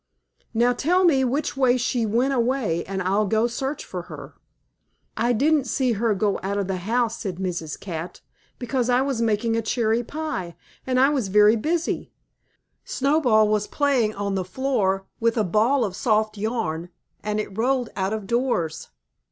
Now, tell me which way she went away, and I'll go search for her." "I didn't see her go out of the house," said Mrs. Cat, "because I was making a cherry pie, and I was very busy. Snowball was playing on the floor, with a ball of soft yarn, and it rolled out of doors.